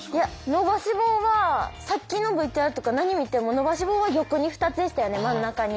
伸ばし棒はさっきのＶＴＲとか何見ても伸ばし棒は横に２つでしたよね真ん中に。